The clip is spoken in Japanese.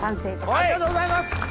ありがとうございます。